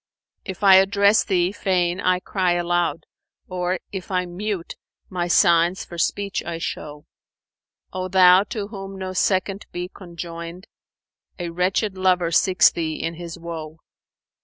If I address Thee fain I cry aloud; * Or, if I'm mute, my signs for speech I show. O Thou to whom no second be conjoined! * A wretched lover seeks Thee in his woe.